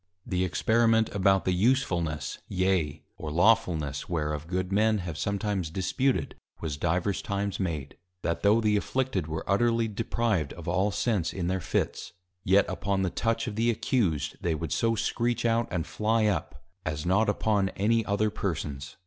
_ The Experiment about the Usefulness, yea, or Lawfulness whereof Good Men have sometimes disputed, was divers Times made, That tho' the Afflicted were utterly deprived of all sense in their Fits, yet upon the Touch of the Accused, they would so screech out, and fly up, as not upon any other persons.